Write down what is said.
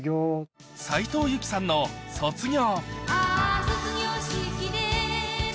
斉藤由貴さんの『卒業』